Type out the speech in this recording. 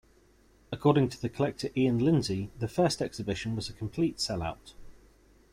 According to collector Ian Lindsay, the first exhibition was a complete sell-out.